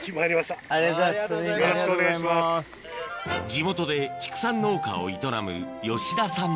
地元で畜産農家を営む吉田さん